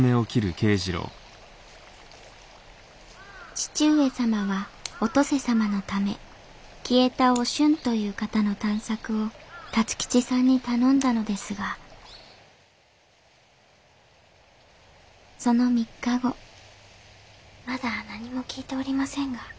義父上様はお登世様のため消えたお俊という方の探索を辰吉さんに頼んだのですがその３日後まだ何も聞いておりませんが。